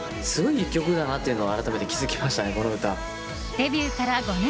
デビューから５年。